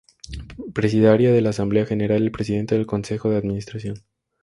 Presidirá la Asamblea General el presidente del Consejo de Administración.